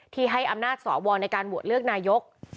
ให้อำนาจสวในการโหวตเลือกนายก